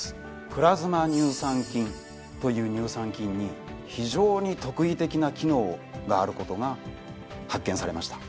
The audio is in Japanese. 「プラズマ乳酸菌」という乳酸菌に非常に特異的な機能があることが発見されました。